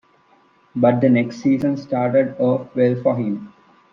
But the next season started off well for him.